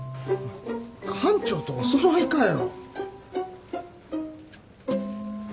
館長とお揃いかよ。